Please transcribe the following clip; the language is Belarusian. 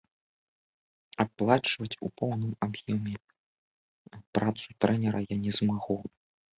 Аплачваць у поўным аб'ёме працу трэнера я не змагу.